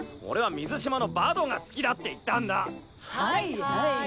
俺は水嶋のバドが好きだって言ったんだ！